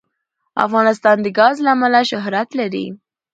افغانستان د ګاز له امله شهرت لري.